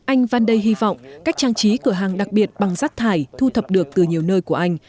anh vandei hy vọng cách trang trí cửa hàng đặc biệt bằng rác thải thu thập được từ nhiều nơi của anh